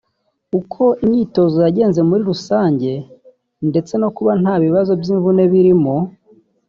uko imyitozo yagenze muri rusange ndetse no kuba nta bibazo by’imvune birimo